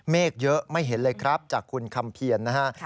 เมฆเยอะไม่เห็นเลยครับจากคุณคำเพียรนะฮะ